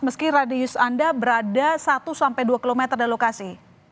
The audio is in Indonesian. meski radius anda berada satu sampai dua km dari lokasi